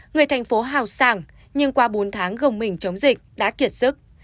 người thành phố hào sàng nhưng qua bốn tháng gồng mình chống dịch đã kiệt sức